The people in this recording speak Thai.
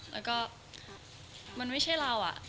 แล้วก็มันไม่ใช่เรา